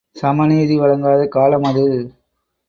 சமநீதி வழங்காத காலம் அது.